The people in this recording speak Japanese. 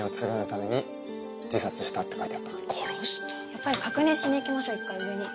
やっぱり確認しに行きましょ１回上に。